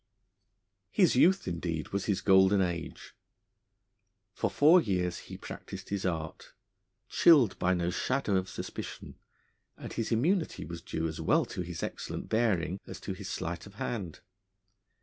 His youth, indeed, was his golden age. For four years he practised his art, chilled by no shadow of suspicion, and his immunity was due as well to his excellent bearing as to his sleight of hand.